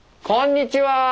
こんにちは！